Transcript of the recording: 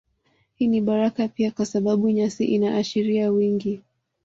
Hii ni baraka pia kwa sababu nyasi inaashiria wingi